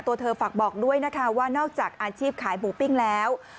ตัวเธอฝากบอกด้วยนะคะว่านอกจากอาชีพขายหมูปิ้งแล้ว